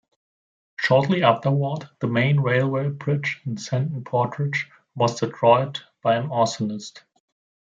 Shortly afterward, the main railway bridge in Seton Portage was destroyed by an arsonist.